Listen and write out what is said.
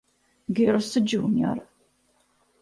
Girls' Junior.